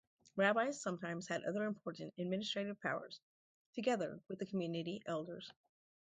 Rabbis sometimes had other important administrative powers, together with the community elders.